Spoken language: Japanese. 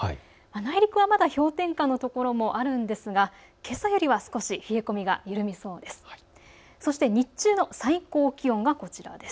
内陸はまだ氷点下の所もあるんですが、けさよりは少し冷え込みが緩みそうです。